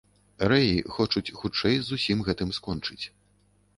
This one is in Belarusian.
Рэі хочуць хутчэй з усім гэтым скончыць.